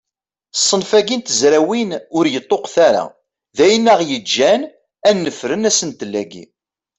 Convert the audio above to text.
Ṣṣenf-agi n tezrawin ur yeṭṭuqet ara, d ayen aɣ-yeǧǧen ad d-nefren asentel-agi.